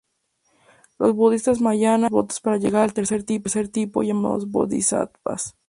Los budistas Mahayana hacen sus votos para llegar al tercer tipo, llamados bodhisattvas.